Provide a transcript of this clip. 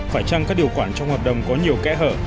phải chăng các điều khoản trong hợp đồng có nhiều kẽ hở